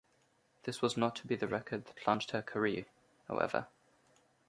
This was not to be the record that launched her career, however.